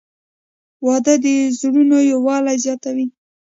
• واده د زړونو یووالی زیاتوي.